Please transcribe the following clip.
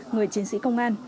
người chiến sĩ công an